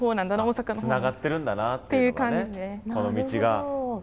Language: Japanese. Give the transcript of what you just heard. つながってるんだなっていうのをね